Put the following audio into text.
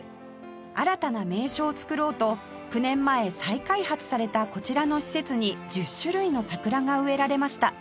新たな名所を作ろうと９年前再開発されたこちらの施設に１０種類の桜が植えられました